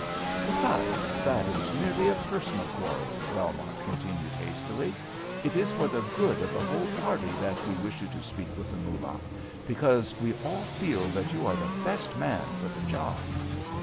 "Besides, that is merely a personal quarrel," Belmont continued, hastily. "It is for the good of the whole party that we wish you to speak with the Moolah, because we all feel that you are the best man for the job."